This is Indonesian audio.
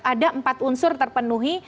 ada empat unsur terpenuhi